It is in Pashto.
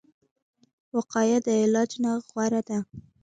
وقایه د علاج نه غوره ده